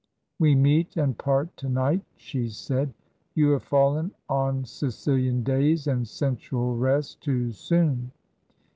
... We meet and part to night,' she said. ' You have fallen on Sicilian days and sensual rest, too soon.'